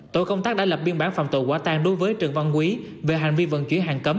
tổ công tác đã lập biên bản phòng tổ quả tang đối với trần văn quý về hành vi vận chuyển hàng cấm